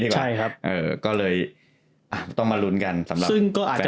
ใช่ครับเออก็เลยอ่ะต้องมาลุ้นกันสำหรับซึ่งก็อาจจะ